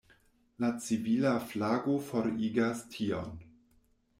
La civila flago forigas tion.